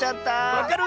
わかる！